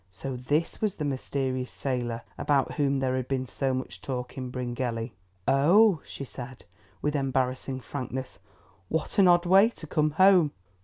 So this was the mysterious sailor about whom there had been so much talk in Bryngelly. "Oh!" she said, with embarrassing frankness. "What an odd way to come home.